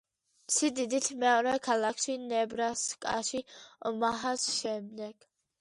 სიდიდით მეორე ქალაქი ნებრასკაში ომაჰას შემდეგ.